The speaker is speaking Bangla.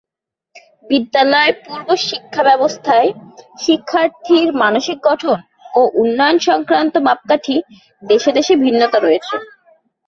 বিদ্যালয়-পূর্ব শিক্ষা ব্যবস্থায় শিক্ষার্থীর মানসিক গঠন ও উন্নয়ন সংক্রান্ত মাপকাঠি দেশে-দেশে ভিন্নতা রয়েছে।